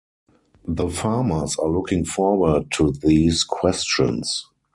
The farmers are looking forward to these questions.